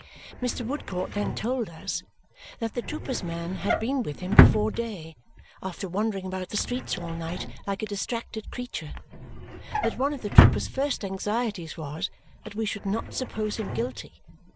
Mr. Woodcourt then told us that the trooper's man had been with him before day, after wandering about the streets all night like a distracted creature. That one of the trooper's first anxieties was that we should not suppose him guilty.